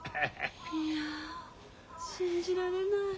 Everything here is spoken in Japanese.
いや信じられない。